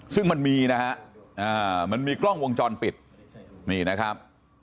ซึ่งมันมีนะฮะมันมีกล้องวงจรปิดนี่นะครับ